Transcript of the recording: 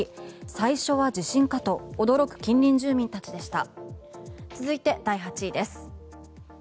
最初は地震かと驚く近隣住民たちでした。